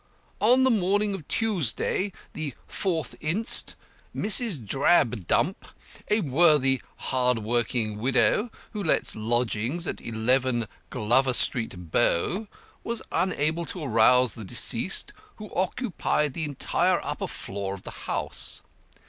On the morning of Tuesday, the 4th inst., Mrs. Drabdump, a worthy hard working widow, who lets lodgings at 11 Glover Street, Bow, was unable to arouse the deceased, who occupied the entire upper floor of the house.